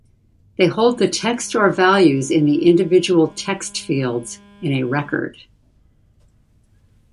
They hold the text or values in the individual text-fields in a record.